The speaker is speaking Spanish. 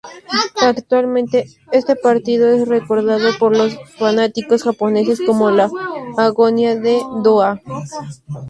Actualmente, este partido es recordado por los fanáticos japoneses como la Agonía de Doha.